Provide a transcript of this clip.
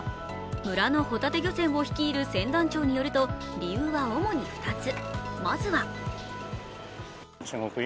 村のホタテ漁船を率いる船団長によると理由は主に２つ。